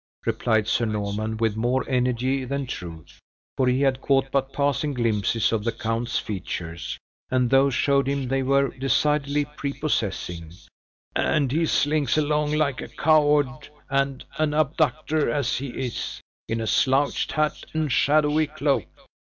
replied Sir Norman, with more energy than truth; for he had caught but passing glimpses of the count's features, and those showed him they were decidedly prepossessing; "and he slinks along like a coward and an abductor as he is, in a slouched hat and shadowy cloak.